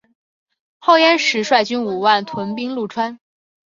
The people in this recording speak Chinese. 后燕时率军五万屯兵潞川。